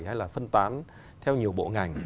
hay là phân tán theo nhiều bộ ngành